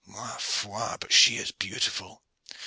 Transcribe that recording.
Ma foi, but she is beautiful!